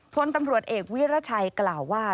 พลตำรวจเอกวิรัชัยกล่าวว่า